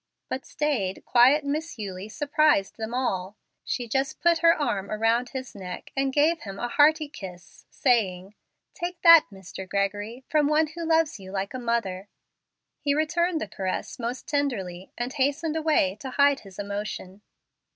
But staid, quiet Miss Eulie surprised them all. She just put her arms about his neck, and gave him a hearty kiss, saying, "Take that, Mr. Gregory, from one who loves you like a mother." He returned the caress most tenderly, and hastened away to hide his emotion.